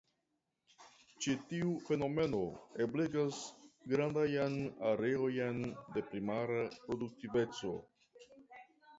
Ĉi tiu fenomeno ebligas grandajn areojn de primara produktiveco.